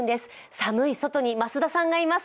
寒い外に増田さんがいます。